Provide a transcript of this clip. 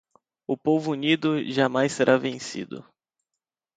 O povo unido, jamais será vencido.